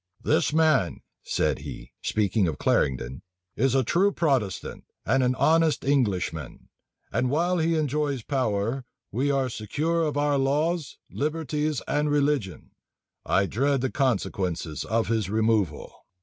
"This man," said he, speaking of Clarendon, "is a true Protestant, and an honest Englishman; and while he enjoys power, we are secure of our laws, liberties, and religion. I dread the consequences of his removal."